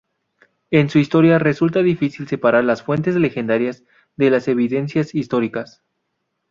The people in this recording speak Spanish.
En su historia resulta difícil separar las fuentes legendarias de las evidencias históricas.